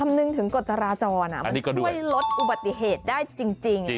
คำนึงถึงกฎจราจรมันช่วยลดอุบัติเหตุได้จริง